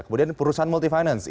kemudian perusahaan multi finance